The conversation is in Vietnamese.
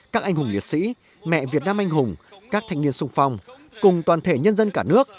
các anh hùng liệt sĩ mẹ việt nam anh hùng các thanh niên sung phong cùng toàn thể nhân dân cả nước